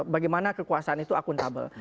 bagaimana kekuasaan itu akuntabel